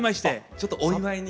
ちょっとお祝いに。